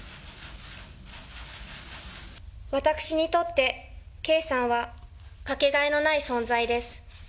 私にとって圭さんはかけがえのない存在です。